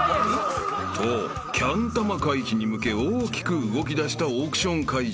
［とキャン玉回避に向け大きく動きだしたオークション会場］